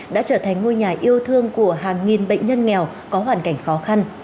đã trở thành ngôi nhà yêu thương của hàng nghìn bệnh nhân nghèo có hoàn cảnh khó khăn